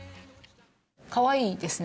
かわいいですね。